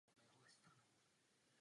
Proto jsem čekal až do konce.